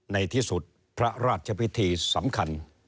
ในที่สุดพระราชพิธีสำคัญ